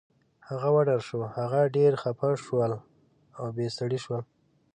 هغه وډار شو، هغوی ډېر خفه شول، اوبې سړې شوې